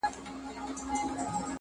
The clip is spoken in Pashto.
لکه کریم عبدالجبار